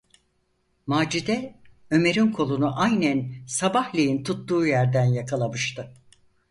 Macide, Ömer’in kolunu aynen sabahleyin tuttuğu yerden yakalamıştı.